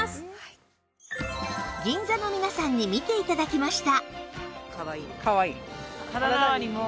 銀座の皆さんに見て頂きました